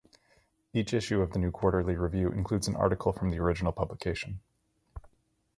Each issue of the new "Quarterly Review" includes an article from the original publication.